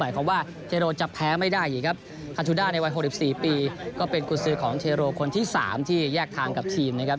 คาจุด้าในวัย๖๔ปีก็เป็นกุศือของเทโรคนที่๓ที่แยกทางกับทีมนะครับ